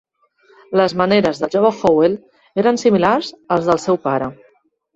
Les maneres del jove Howell eren similars als del seu pare.